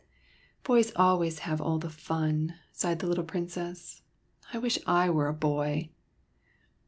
'' Boys always have all the fun," sighed the little Princess. '' I wish I were a boy